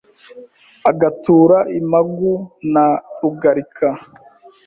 agatura i Magu na Rugarika